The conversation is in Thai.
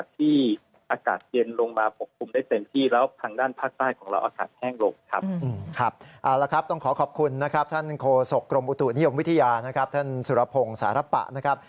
ท่านโคศกรมอุตุนิยมวิทยาท่านสุรพงศ์สารปะ